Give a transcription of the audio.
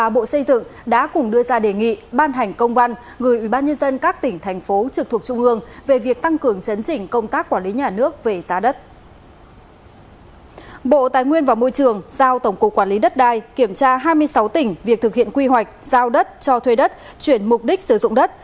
bộ tài nguyên và môi trường giao tổng cục quản lý đất đai kiểm tra hai mươi sáu tỉnh việc thực hiện quy hoạch giao đất cho thuê đất chuyển mục đích sử dụng đất